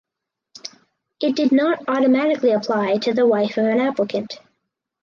It did not automatically apply to the wife of an applicant.